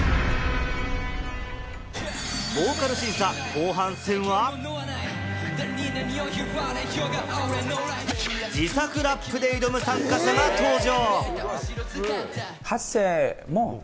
ボーカル審査後半戦は自作ラップで挑む参加者が登場！